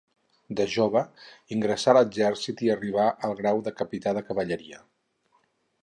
De jove ingressà a l'exèrcit i arribà al grau de capità de cavalleria.